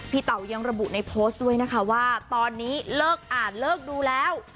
เต่ายังระบุในโพสต์ด้วยนะคะว่าตอนนี้เลิกอ่านเลิกดูแล้ว